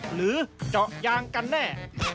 หรือเจาะยางกันแน่